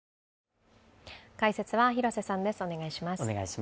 解説は広瀬さんです。